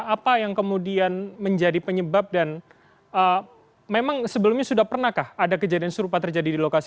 apa yang kemudian menjadi penyebab dan memang sebelumnya sudah pernahkah ada kejadian serupa terjadi di lokasi